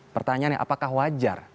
pertanyaannya apakah wajar